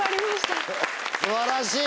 素晴らしい！